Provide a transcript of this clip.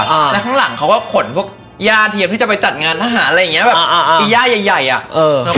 และข้างหลังเขาก็แข่งกันพวกสีหญ้าเพื่องจะไปจัดงานชาติร้านอะไรอย่างนี้